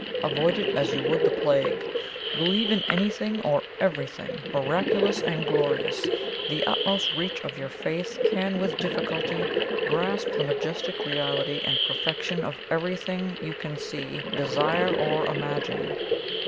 Avoid it as you would the plague. Believe in anything or everything miraculous and glorious the utmost reach of your faith can with difficulty grasp the majestic reality and perfection of everything you can see, desire, or imagine.